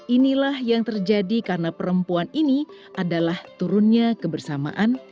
inilah yang terjadi karena perempuan ini adalah turunnya kebersamaan